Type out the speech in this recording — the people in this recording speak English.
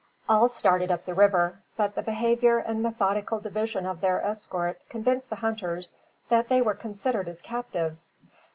All started up the river, but the behaviour and methodical division of their escort convinced the hunters that they were considered as captives.